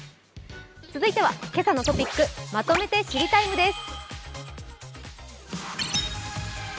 続いては「けさのトピックまとめて知りＴＩＭＥ，」です。